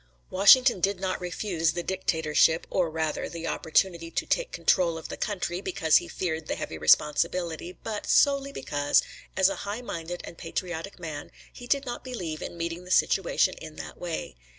Washington did not refuse the dictatorship, or, rather, the opportunity to take control of the country, because he feared heavy responsibility, but solely because, as a high minded and patriotic man, he did not believe in meeting the situation in that way.